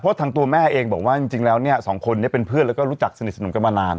เพราะทางตัวแม่เองบอกว่าจริงแล้วเนี่ยสองคนนี้เป็นเพื่อนแล้วก็รู้จักสนิทสนมกันมานาน